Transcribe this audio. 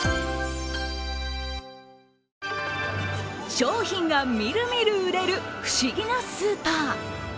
商品がみるみる売れる不思議なスーパー。